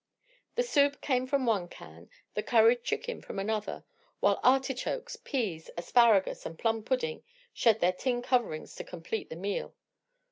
The soup came from one can, the curried chicken from another, while artichokes, peas, asparagus and plum pudding shed their tin coverings to complete the meal.